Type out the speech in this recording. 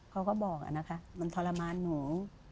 เขาก็บอกอะนะคะมันทรมานหนู